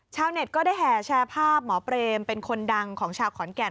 เน็ตก็ได้แห่แชร์ภาพหมอเปรมเป็นคนดังของชาวขอนแก่น